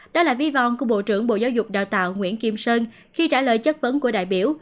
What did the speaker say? đó là vi vòn của bộ trưởng bộ giáo dục đào tạo nguyễn kim sơn khi trả lời chất vấn của đại biểu